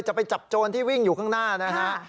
จะไปจับโจรที่วิ่งอยู่ข้างหน้านะฮะ